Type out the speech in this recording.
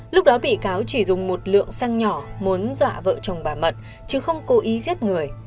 lúc đó bị cáo chỉ dùng một lượng xăng nhỏ muốn dọa vợ chồng bà mận chứ không cố ý giết người